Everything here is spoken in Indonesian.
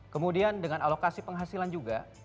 kemudian dengan alokasi penghasilan juga